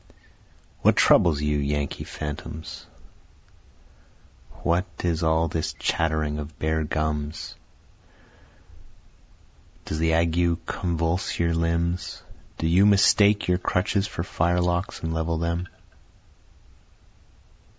What troubles you Yankee phantoms? what is all this chattering of bare gums? Does the ague convulse your limbs? do you mistake your crutches for firelocks and level them?